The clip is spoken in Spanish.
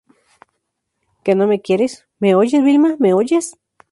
que no me quieres! ¿ me oyes, Vilma? ¿ me oyes?